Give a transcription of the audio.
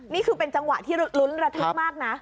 นี่คือเป็นจังหวะที่ลุ้นระทึกมากนะ